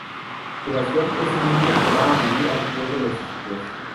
Sebastián es un niño que va a vivir al pueblo de sus tíos.